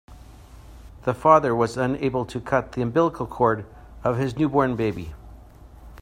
The father was unable to cut the umbilical cord of his newborn baby.